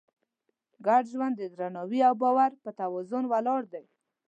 ګډ ژوند د درناوي او باور په توازن ولاړ دی.